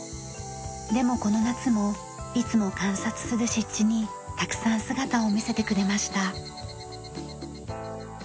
でもこの夏もいつも観察する湿地にたくさん姿を見せてくれました。